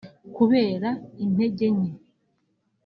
kubera intege nke